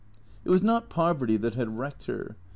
It was not Poverty that had wrecked her.